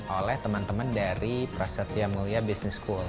oleh teman teman dari prasetya mulia business school